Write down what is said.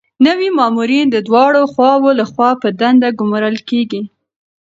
نوي مامورین د دواړو خواوو لخوا په دنده ګمارل کیږي.